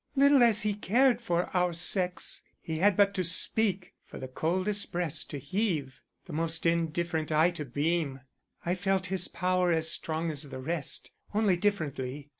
Little as he cared for our sex, he had but to speak, for the coldest breast to heave, the most indifferent eye to beam. I felt his power as strong as the rest, only differently.